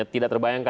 tiga pers tafs